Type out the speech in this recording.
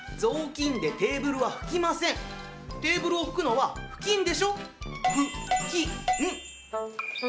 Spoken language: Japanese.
テーブルを拭くのは布巾でしょ？